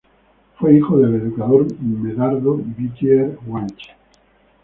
Fue hijo del educador Medardo Vitier Guanche.